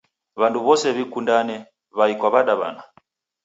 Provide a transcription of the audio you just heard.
W'andu w'ose w'ikundane, wai kwa wadawana